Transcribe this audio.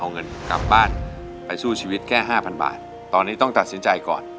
ความต่างของเงินกลับบ้านไปสู้ชีวิตแค่๕๐๐๐บาทตอนนี้ต้องตัดสินใจก่อน